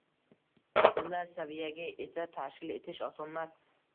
Bunday saviyaga esa tashkil etish osonmas.